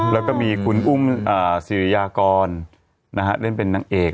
แล้วก็มีคุณอุ้มสิริยากรเล่นเป็นนางเอก